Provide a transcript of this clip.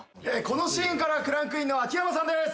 このシーンからクランクインの秋山さんです。